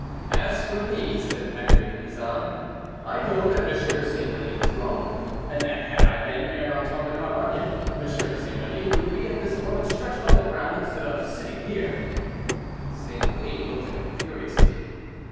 "As for me," said Hector de Bizan, "I know that M. de St. Maline was wrong, and that had I been Ernanton de Carmainges, M. de St. Maline would be at this moment stretched on the ground instead of sitting here." St. Maline looked at him furiously.